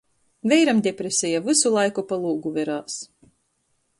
Veiram depreseja, vysu laiku pa lūgu verās...